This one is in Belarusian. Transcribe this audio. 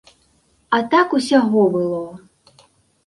А так усяго было.